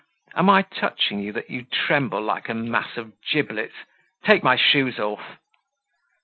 Am I touching you that you tremble like a mass of giblets? Take my shoes off."